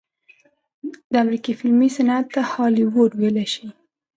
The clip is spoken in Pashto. د امريکې فلمي صنعت ته هالي وډ وئيلے شي